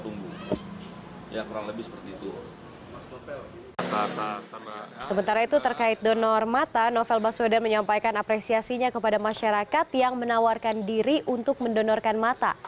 untuk mendonor mata novel baswedan menyampaikan apresiasinya kepada masyarakat yang menawarkan diri untuk mendonorkan mata